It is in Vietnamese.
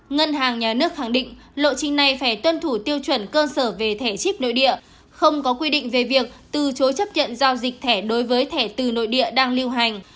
ngân hàng nhà nước khẳng định lộ trình này phải tuân thủ tiêu chuẩn cơ sở về thẻ chip nội địa không có quy định về việc từ chối chấp nhận giao dịch thẻ đối với thẻ từ nội địa đang liêu hành